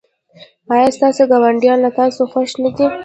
ایا ستاسو ګاونډیان له تاسو خوښ نه دي؟